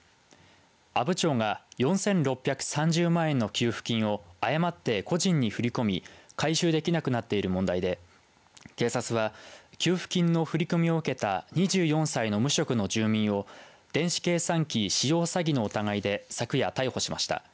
阿武町が４６３０万円の給付金を誤って個人に振り込み回収できなくなっている問題で警察は給付金の振り込みを受けた２４歳の無職の住民を電子計算機使用詐欺の疑いで昨夜、逮捕しました。